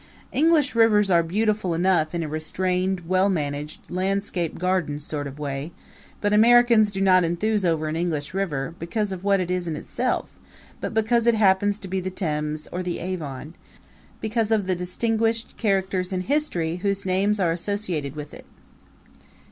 English rivers are beautiful enough in a restrained, well managed, landscape gardened sort of way; but Americans do not enthuse over an English river because of what it is in itself, but because it happens to be the Thames or the Avon because of the distinguished characters in history whose names are associated with it.